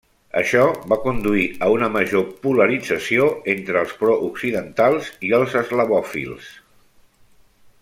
Això va conduir a una major polarització entre els pro occidentals i els eslavòfils.